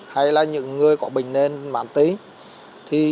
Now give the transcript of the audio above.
hay là những người có bệnh nền mạng tính